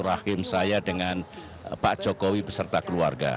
rahim saya dengan pak jokowi beserta keluarga